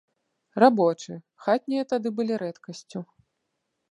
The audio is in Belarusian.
Рабочы, хатнія тады былі рэдкасцю.